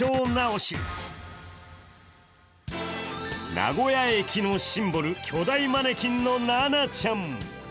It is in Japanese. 名古屋駅のシンボル、巨大マネキンのナナちゃん。